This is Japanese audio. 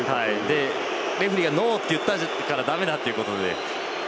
で、レフリーがノーと言ったからだめだということで。